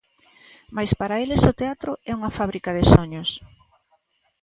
Mais para eles o teatro é unha fábrica de soños.